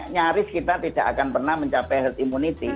nyaris kita tidak akan pernah mencapai herd immunity